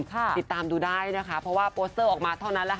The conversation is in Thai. ติดตามดูได้นะคะเพราะว่าโปสเตอร์ออกมาเท่านั้นแหละค่ะ